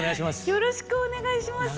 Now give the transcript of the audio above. よろしくお願いします。